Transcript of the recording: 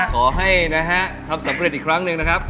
ขอให้นะฮะทำสำเร็จอีกครั้งหนึ่งนะครับ